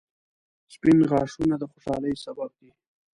• سپین غاښونه د خوشحالۍ سبب دي